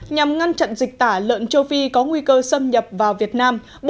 nhằm ngăn chặn dịch tả lợn châu phi có nguy cơ xâm nhập vào việt nam